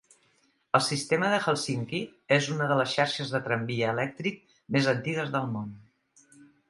El sistema de Helsinki és una de les xarxes de tramvia elèctric més antigues del món.